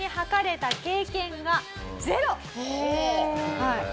はい。